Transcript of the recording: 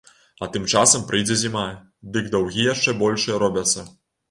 А тым часам прыйдзе зіма, дык даўгі яшчэ большыя робяцца.